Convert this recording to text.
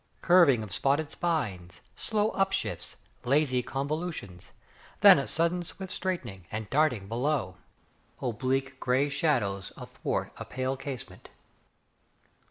Curving of spotted spines, Slow up shifts, Lazy convolutions: Then a sudden swift straightening And darting below: Oblique grey shadows Athwart a pale casement.